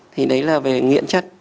thì đấy là về nghiện chất